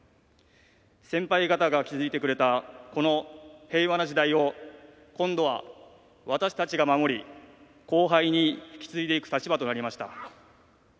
先輩方が築いてくれたこの平和な時代を今度は私たちが守り後輩に引き継いでいく立場となりました。